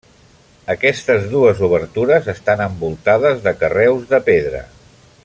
Aquestes dues obertures estan envoltades de carreus de pedra.